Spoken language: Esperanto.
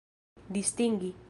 distingi